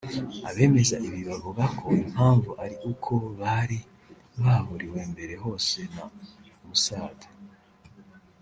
Abemeza ibi bavuga ko impamvu ari uko bari baburiwe mbere hose na Mossad